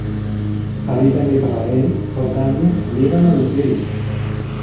Habita en Israel, Jordania, Líbano y Siria.